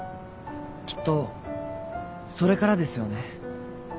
きっとそれからですよね？